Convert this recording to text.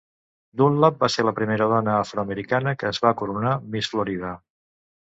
Dunlap va ser la primera dona afroamericana que es va coronar Miss Florida.